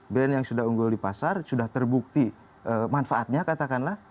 brand yang sudah unggul di pasar sudah terbukti manfaatnya katakanlah